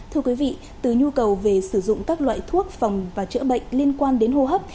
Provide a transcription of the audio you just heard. thưa quý vị từ nhu cầu về sử dụng các loại thuốc phòng và chữa bệnh liên quan đến hô hấp